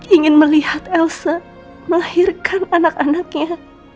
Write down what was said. ingin melihat elsa melahirkan anak anaknya